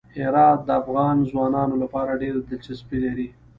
هرات د افغان ځوانانو لپاره ډېره دلچسپي لري.